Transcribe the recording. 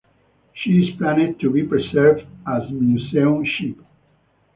She is planned to be preserved as museum ship.